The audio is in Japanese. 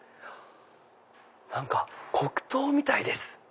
何か黒糖みたいです。